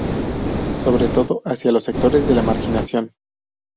Sobre todo hacia los sectores de la marginación.